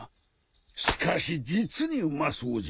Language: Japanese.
しかし実にうまそうじゃ！